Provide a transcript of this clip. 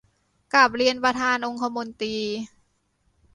กราบเรียนประธานองคมนตรี